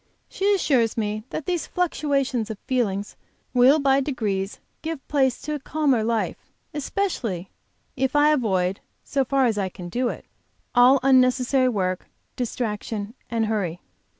She assures me that these fluctuations of feeling will by degrees give place to a calmer life, especially if I avoid, so far as I can do it, all unnecessary work, distraction and hurry.